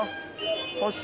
欲しい。